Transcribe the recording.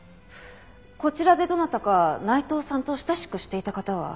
こちらでどなたか内藤さんと親しくしていた方は？